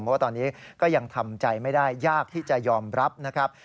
เพราะว่าตอนนี้ก็ยังทำใจไม่ได้ยากที่จะยอมรับนะครับ